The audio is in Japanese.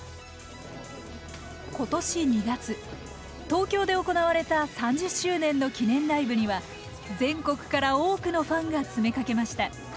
今年２月東京で行われた３０周年の記念ライブには全国から多くのファンが詰めかけました。